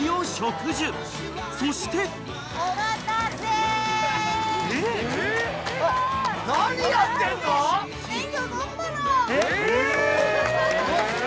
［そして］え！